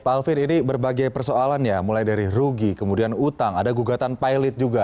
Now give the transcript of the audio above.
pak alvin ini berbagai persoalan ya mulai dari rugi kemudian utang ada gugatan pilot juga